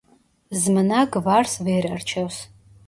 ზმნა გვარს ვერ არჩევს.